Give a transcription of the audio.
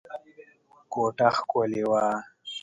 کوټه ښکلې وه.